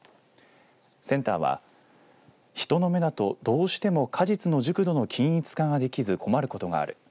センターは人の目だとどうしても果実の熟度の均一化ができず困ることがある。